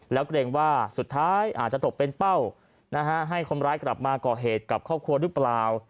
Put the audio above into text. แล้วเกรงว่าสุดท้ายอาจจะตกเป็นเป้าให้คนร้ายกลับมาก่อเหตุกับครอบครัวหรือเปล่า